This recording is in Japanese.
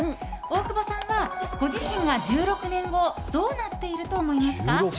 大久保さんは、ご自身が１６年後どうなっていると思いますか。